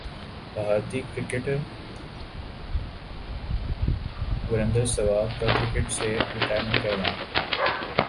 بھارتی کرکٹر وریندر سہواگ کا کرکٹ سے ریٹائرمنٹ کا اعلان